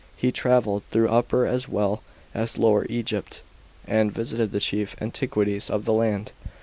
He travelled through Upper as well as Lower Egypt, and visited the chief antiquities of the land.